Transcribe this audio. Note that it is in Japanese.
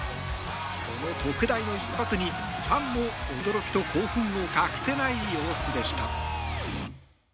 この特大の一発にファンも驚きと興奮を隠せない様子でした。